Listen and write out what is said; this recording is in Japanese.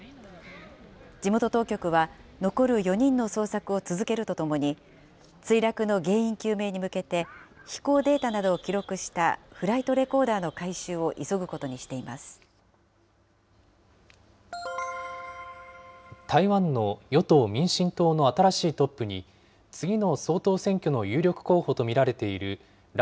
地元当局は、残る４人の捜索を続けるとともに、墜落の原因究明に向けて、飛行データなどを記録したフライトレコーダーの回収を急ぐことに台湾の与党・民進党の新しいトップに、次の総統選挙の有力候補と見られている頼